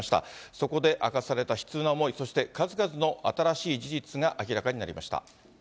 そこで明かされた悲痛な思い、そして数々の新しい事実が明らかになりました。